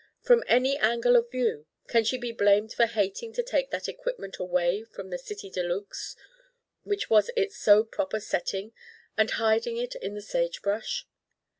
From any angle of view can she be blamed for hating to take that equipment away from the city de luxe which was its so proper setting and hiding it in the sage brush?